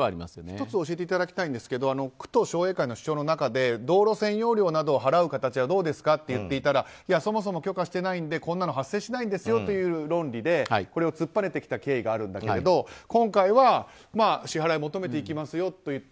１つ教えていただきたいんですけど区と商栄会の主張の中で道路占用料などを払う形はどうですかと言っていたらそもそも許可していないのでこんなの発生しないという論理でこれを突っぱねてきた経緯があるんだけれど今回は、支払いを求めていきますよと言っている。